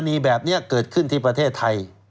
มีแบบนี้เกิดขึ้นที่ประเทศไทย